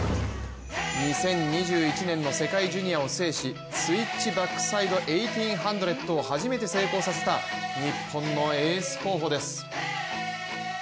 ２０２１年の世界ジュニアを制しスイッチ・バックサイド１８００を初めて成功させた日本のエース候補です。